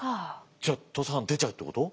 じゃあ土佐藩出ちゃうってこと？